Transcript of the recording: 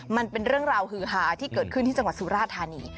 มันเป็นเรื่องราวฮือฮาที่เกิดขึ้นที่จังหวัดสุราธานี